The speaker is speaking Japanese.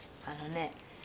あのね